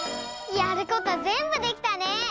やることぜんぶできたね！